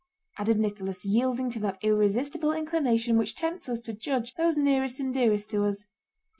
added Nicholas, yielding to that irresistible inclination which tempts us to judge those nearest and dearest to us.